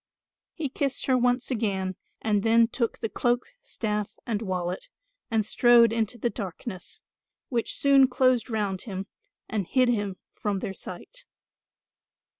He kissed her once again and then took the cloak, staff and wallet and strode into the darkness; which soon closed round him and hid him from their sight.